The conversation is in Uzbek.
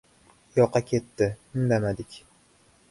Yoqa ketdi – indamadik.